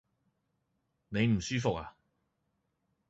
你唔舒服呀？